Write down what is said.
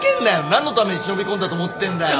何のために忍び込んだと思ってんだよ！